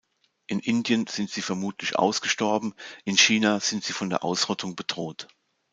In Indien sind sie vermutlich ausgestorben, in China sind sie von der Ausrottung bedroht.